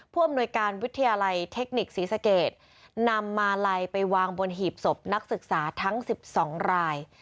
อำนวยการวิทยาลัยเทคนิคศรีสเกตนำมาลัยไปวางบนหีบศพนักศึกษาทั้ง๑๒ราย